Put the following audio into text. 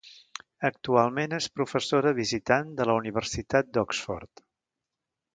Actualment és professora visitant de la Universitat d'Oxford.